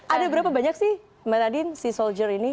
ada berapa banyak sih mbak nadine sea soldier ini